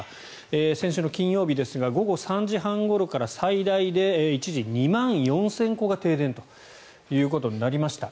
先週の金曜日ですが午後３時半ごろから最大で一時２万４０００戸が停電となりました。